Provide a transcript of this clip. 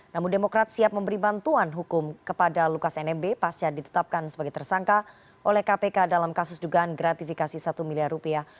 namun demokrat siap memberi bantuan hukum kepada lukas nmb pasca ditetapkan sebagai tersangka oleh kpk dalam kasus dugaan gratifikasi satu miliar rupiah